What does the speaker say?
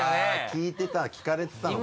聞いてた聞かれてたのかな？